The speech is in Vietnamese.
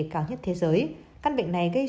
cao nhất thế giới các bệnh này gây